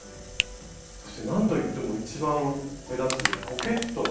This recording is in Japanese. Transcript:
そしてなんと言っても一番目立つポケット。